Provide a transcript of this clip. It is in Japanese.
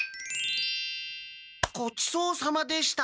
ごちそうさまでした！